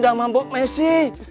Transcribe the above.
damah bu messi